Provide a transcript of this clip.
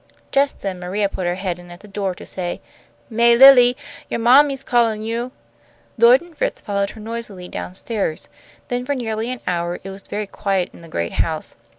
Just then Maria put her head in at the door to say, "May Lilly, yo' mammy's callin' you." Lloyd and Fritz followed her noisily down stairs. Then for nearly an hour it was very quiet in the great house.